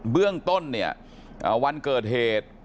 เบื้องต้นเนี่ยวันเกิดเหตุ